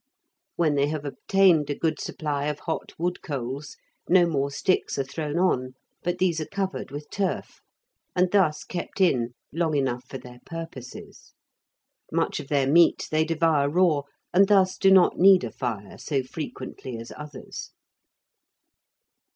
When they have obtained a good supply of hot wood coals, no more sticks are thrown on, but these are covered with turf, and thus kept in long enough for their purposes. Much of their meat they devour raw, and thus do not need a fire so frequently as others.